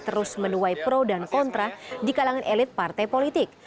terus menuai pro dan kontra di kalangan elit partai politik